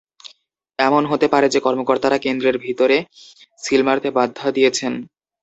এমন হতে পারে যে, কর্মকর্তারা কেন্দ্রের ভেতরে সিল মারতে বাধা দিয়েছেন।